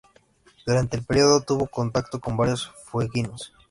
Durante el período tuvo contacto con varios fueguinos.